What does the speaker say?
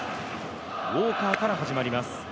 ウォーカーから始まります。